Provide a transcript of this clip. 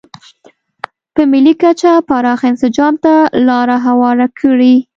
په ملي کچه پراخ انسجام ته لار هواره کړي.